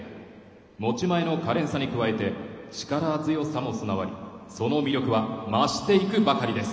持ち前のかれんさに加えて力強さも加わりその魅力は増していくばかりです。